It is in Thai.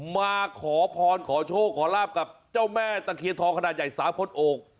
มาขอพรขอโชคขอลาบกับเจ้าแม่ตะเคียนทองขนาดใหญ่๓คนโอบ